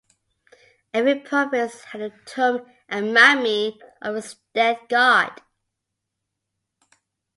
Every province had the tomb and mummy of its dead god.